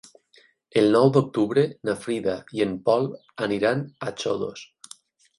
El nou d'octubre na Frida i en Pol aniran a Xodos.